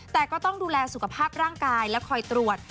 แต่ก็ต้องดูแลสุขภาพร่างกายและคอยตรวจ